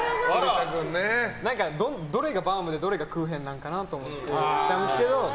どれがバウムでどれがクーヘンなのかなと思ってたんですけど。